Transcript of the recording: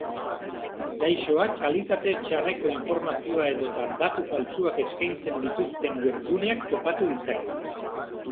Gaixoak kalitate txarreko informazioa edota datu faltsuak eskaintzen dituzten webguneak topatu ditzake.